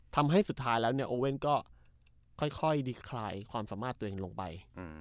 ทำให้สุดท้ายแล้วเนี่ยโอเว่นก็ค่อยดีคลายความสามารถตัวเองลงไป